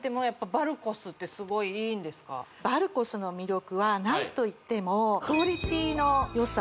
バルコスの魅力は何といってもクオリティーのよさ